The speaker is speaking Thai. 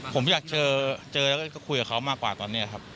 ผมอยากเจอแล้วก็คุยกับเขามากกว่าตอนนี้ครับ